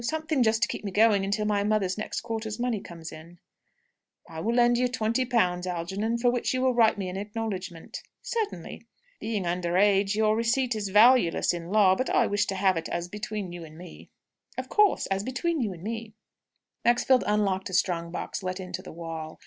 Something just to keep me going until my mother's next quarter's money comes in." "I will lend you twenty pounds, Algernon, for which you will write me an acknowledgment." "Certainly!" "Being under age, your receipt is valueless in law. But I wish to have it as between you and me." "Of course; as between you and me." Maxfield unlocked a strong box let into the wall.